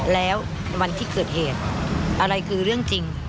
แล้ววันที่เกิดเหตุอะไรคือเรื่องจริง